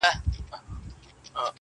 لمر هم کمزوری ښکاري دلته تل,